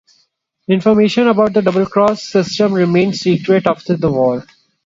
Information about the double-cross system remained secret after the war.